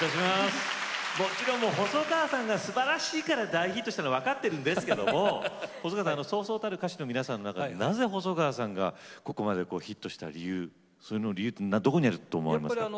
もちろん細川さんがすばらしいから大ヒットしたのは分かっているんですけれどもそうそうたる歌手の皆さんの中で細川さんがここまでヒットした理由はどこにあると思われますか。